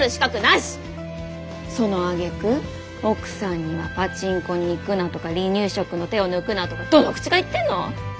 そのあげく奥さんにはパチンコに行くなとか離乳食の手を抜くなとかどの口が言ってんの？